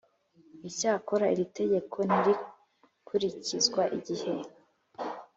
Icyakora iri tegeko ntirikurikizwa igihe